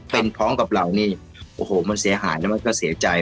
เป็นพร้อมกับเรานี่โอ้โหมันเสียหายแล้วมันก็เสียใจ